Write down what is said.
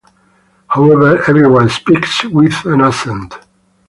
However, everyone speaks with an accent.